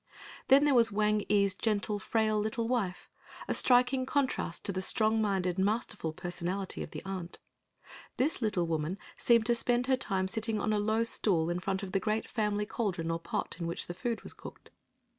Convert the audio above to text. Then there was Wang ee's gentle frail little wife, a striking contrast to the strong minded, masterful personality of the aunt. This little woman seemed to spend her time sitting on a low stool in front of the great family caldron or pot in which the food was cooked.